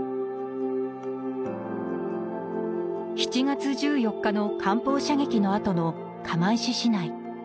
７月１４日の艦砲射撃のあとの釜石市内。